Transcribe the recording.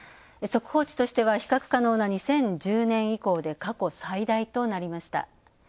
速報値としては比較可能な２０１０年以降で過去最大となりました。